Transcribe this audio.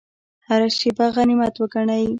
هره شیبه غنیمت وګڼئ